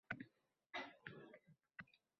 Badanda?